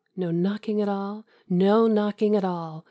no knocking at all ... no knocking at all